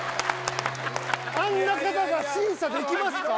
あんな方が審査できますか？